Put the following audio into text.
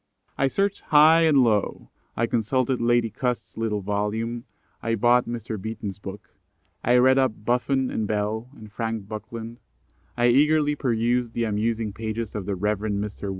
I searched high and low; I consulted Lady Cust's little volume; I bought Mr. Beeton's book; I read up Buffon and Bell, and Frank Buckland; I eagerly perused the amusing pages of the Rev. Mr.